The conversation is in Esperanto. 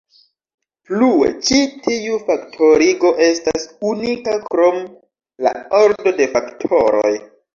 Plue ĉi tiu faktorigo estas unika krom la ordo de faktoroj.